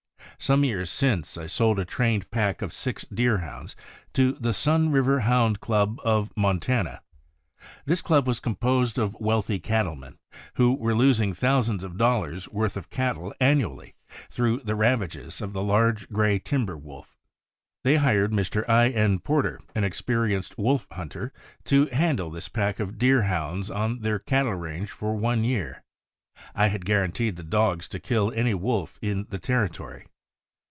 Some years since, I sold a trained pack of six Deerhounds to the Sun River Hound Club of Montana. This club was composed of wealthy cattlemen, who were losing thousands of dollars' worth of cattle annually through the ravages of the large gray timber wolf. They hired Mr. I. N. Porter, an expe rienced wolf hunter, to handle this pack of Deerhounds on their cattle range for one year. I had guaranteed the dogs to kill any wolf in the territory.